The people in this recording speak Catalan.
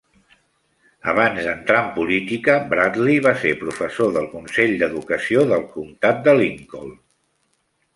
Abans d'entrar en política, Bradley va ser professor del consell d'educació del comtat de Lincoln.